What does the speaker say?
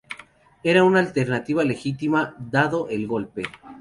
Era una alternativa legítima, dado el Golpe.